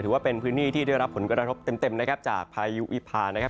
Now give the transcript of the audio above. ถือว่าเป็นพื้นที่ที่ได้รับผลกระทบเต็มนะครับจากพายุวิพานะครับ